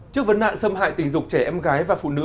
trước vấn nạn xâm hại tình dục trẻ em gái và phụ nữ